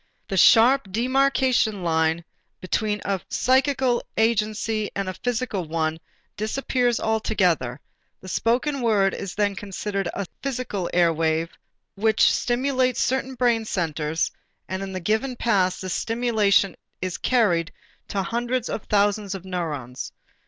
The sharp demarcation line between a psychical agency and a physical one disappears altogether; the spoken word is then considered as physical airwaves which stimulate certain brain centers and in the given paths this stimulation is carried to hundreds of thousands of neurons.